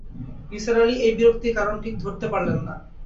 নিসার আলি এই বিরক্তির কারণ ঠিক ধরতে পারলেন না।